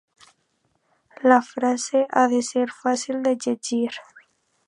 la frase ha de ser fàcil de llegir